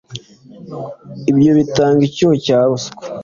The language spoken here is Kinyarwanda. Ibyo bitanga icyuho cya ruswa